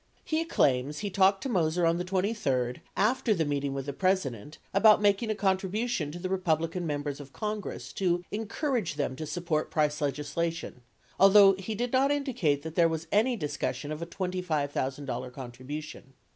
He claims he talked to Moser on the 23d, after the meeting with the President, about making a contribution to Republican Members of Congress to encourage them to support price legislation — although he did not indicate that there was any discussion of a $25,000 contribution.